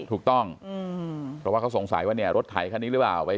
ถูกต้องเพราะว่าเขาสงสัยว่าเนี่ยรถไถคันนี้หรือเปล่า